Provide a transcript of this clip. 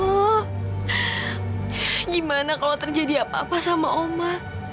oh gimana kalau terjadi apa apa sama oma